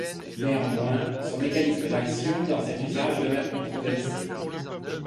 Néanmoins, son mécanisme d'action dans cet usage demeure controversé.